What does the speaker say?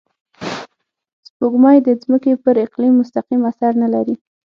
سپوږمۍ د ځمکې پر اقلیم مستقیم اثر نه لري